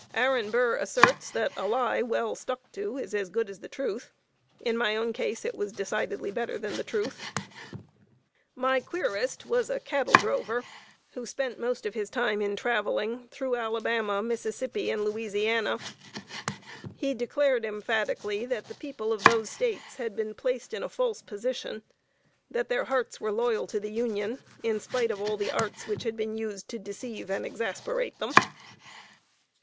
Aaron Burr asserts that "a lie well stuck to is good as the truth;" in my own case, it was decidedly better than the truth. My querist was a cattle drover, who spent most of his time in traveling through Alabama, Mississippi and Louisiana. He declared emphatically that the people of those States had been placed in a false position; that their hearts were loyal to the Union, in spite of all the arts which had been used to deceive and exasperate them.